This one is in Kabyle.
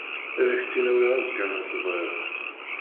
Ad ak-tt-in-awiɣ azekka ma tebɣiḍ.